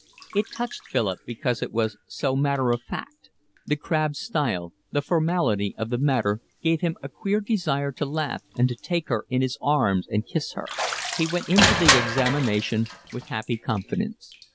It touched Philip because it was so matter of fact. The crabbed style, the formality of the matter, gave him a queer desire to laugh and to take her in his arms and kiss her. He went into the examination with happy confidence.